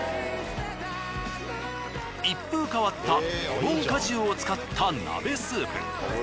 一風変わったレモン果汁を使った鍋スープ。